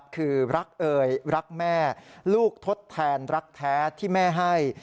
คือรักเอ่ยรักแม่ลูกทดแทนรักแท้ที่แม่ให้